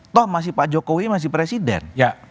toh masih pak jokowi masih presiden